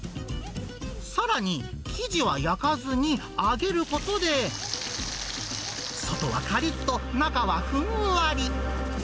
さらに、生地は焼かずに揚げることで、外はかりっと、中はふんわり。